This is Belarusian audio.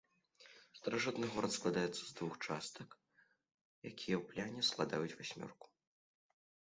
Старажытны горад складаецца з двух частак, якія ў плане складаюць васьмёрку.